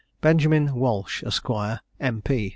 BENJAMIN WALSH, ESQ., M.